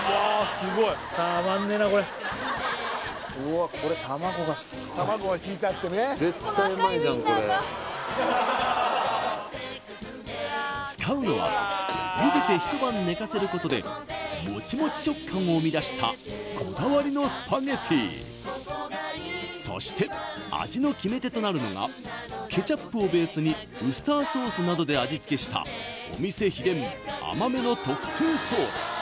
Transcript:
すごいうわっこれ卵がすごい絶対うまいじゃんこれ使うのはゆでて一晩寝かせることでモチモチ食感を生み出したこだわりのスパゲッティそして味の決め手となるのがケチャップをベースにウスターソースなどで味付けしたお店秘伝甘めの特製ソース